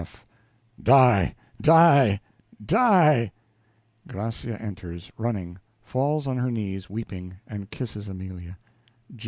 F. Die! die! die! (Gracia enters running, falls on her knees weeping, and kisses Amelia.)